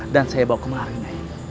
dan saya bawa kemarin